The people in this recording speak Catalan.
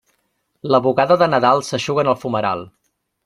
La bugada de Nadal s'eixuga en el fumeral.